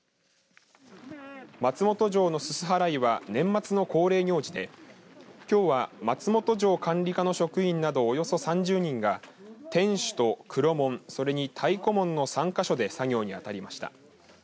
松本城のすす払いは年末の恒例行事できょうは松本城管理課の職員などおよそ３０人が天守と黒門それに太鼓門の３か所で作業に当たりました。